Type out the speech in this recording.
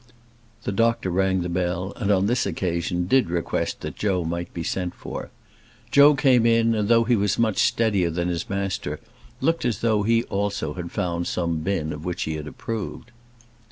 The doctor rang the bell, and, on this occasion, did request that Joe might be sent for. Joe came in, and, though he was much steadier than his master, looked as though he also had found some bin of which he had approved.